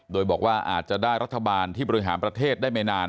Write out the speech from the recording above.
โดยบอกว่าอาจจะได้รัฐบาลที่บริหารประเทศได้ไม่นาน